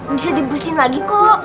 bisa dibersihin lagi kok